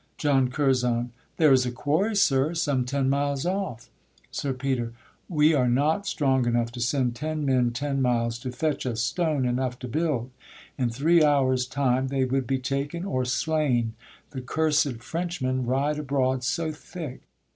JOHN CURZON. There is a quarry, sir, some ten miles off. SIR PETER. We are not strong enough to send ten men Ten miles to fetch us stone enough to build. In three hours' time they would be taken or slain, The cursed Frenchmen ride abroad so thick.